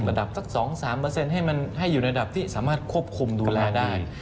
สัก๒๓ให้มันให้อยู่ในระดับที่สามารถควบคุมดูแลได้